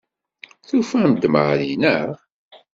Tufam-d Mary, naɣ?